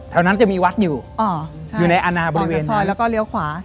แถวนั้นจะมีวัดอยู่อยู่ในอนาคตบริเวณนั้นพร้อมจะซอยแล้วก็เลี้ยวขวา